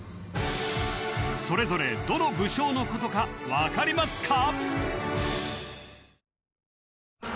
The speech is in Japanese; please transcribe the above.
それぞれどの武将のことか分かりますか？